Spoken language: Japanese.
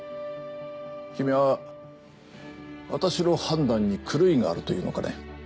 君は私の判断に狂いがあるというのかね？